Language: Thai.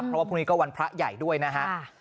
เพราะว่าพรุ่งนี้ก็วันพระใหญ่ด้วยนะฮะ